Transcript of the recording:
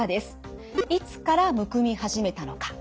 いつからむくみはじめたのか。